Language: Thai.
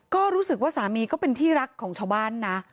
ก็รู้สึกว่าสามีก็เป็นที่รักของชาวบ้านนะ